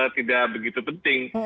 tidak begitu penting